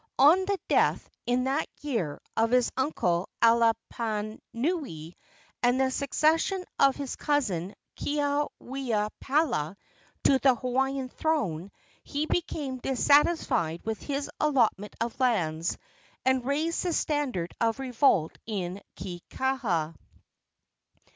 On the death, in that year, of his uncle Alapainui, and the succession of his cousin Keaweopala to the Hawaiian throne, he became dissatisfied with his allotment of lands and raised the standard of revolt in Kekaha.